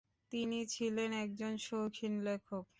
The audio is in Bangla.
তিনি ছিলেন একজন শৌখিন লেখক।